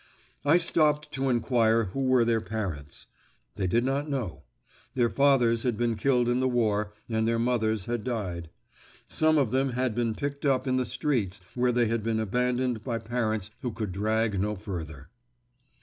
I stopped to enquire who were their parents. They did not know. Their fathers had been killed in the war and their mothers had died. Some of them had been picked up in the streets where they had been abandoned by parents who could drag no further.